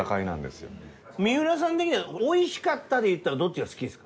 三浦さん的には美味しかったで言ったらどっちが好きですか？